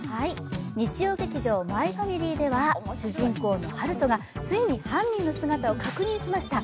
日曜劇場「マイファミリー」では主人公の温人がついに犯人の姿を確認しました。